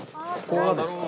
そうです。